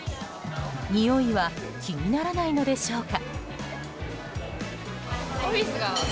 においは気にならないのでしょうか？